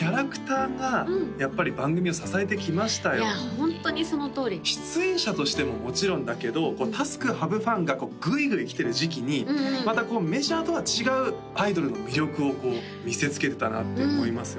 ホントにそのとおり出演者としてももちろんだけどこうＴａｓｋｈａｖｅＦｕｎがグイグイ来てる時期にまたこうメジャーとは違うアイドルの魅力を見せつけてたなって思いますよ